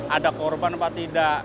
ada korban apa tidak